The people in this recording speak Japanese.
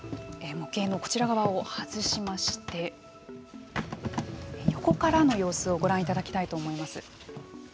模型のこちら側を外しまして横からの様子をご覧いただきたいと思います。